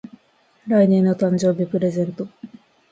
来年の誕生日プレゼント